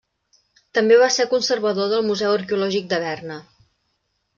També va ser conservador del Museu Arqueològic de Berna.